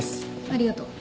ありがとう。